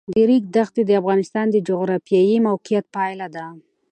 د ریګ دښتې د افغانستان د جغرافیایي موقیعت پایله ده.